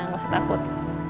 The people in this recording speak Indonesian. gak usah takut